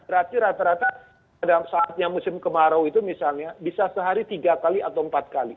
berarti rata rata dalam saatnya musim kemarau itu misalnya bisa sehari tiga kali atau empat kali